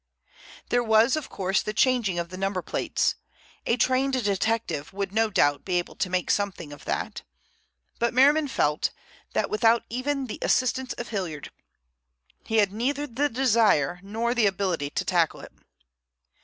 There was, of course, the changing of the number plates. A trained detective would no doubt be able to make something of that. But Merriman felt that without even the assistance of Hilliard, he had neither the desire nor the ability to tackle it.